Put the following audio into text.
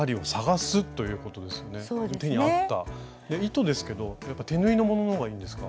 糸ですけどやっぱ手縫いのものの方がいいんですか？